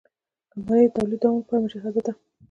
کمپنۍ د تولید دوام لپاره مجهزه ده.